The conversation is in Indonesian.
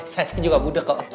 saya juga budeg pak